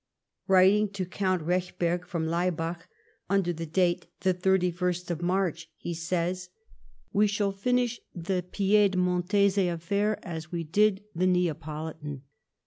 157 Writing to Count Rcchberg from Lai bach, under date the 31st March, he says :" We shall finish the Piedmontese affair as we did the Neapolitan.